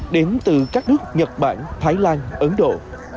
đến từ các nước nhật bản thái lan ấn độ